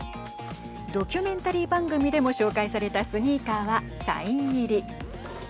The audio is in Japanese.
ドキュメンタリー番組でも紹介されたスニーカーはサイン入り。